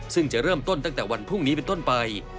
ซึ่งจะเริ่มต้นตั้งแต่วันพรุ่งนี้เป็นต้นไป